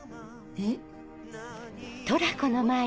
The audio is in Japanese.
えっ？